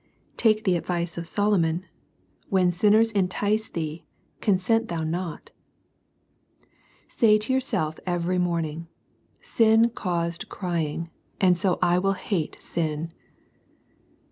Take the advice of Solomon :" When sinners entice thee, con sent thou not." Say to yourself every morning, " Sin caused crying, and so I will hate sin."